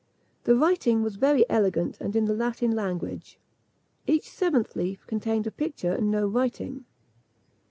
The writing was very elegant and in the Latin language. Each seventh leaf contained a picture and no writing.